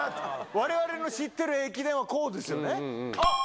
われわれの知ってる駅伝はこうですよね。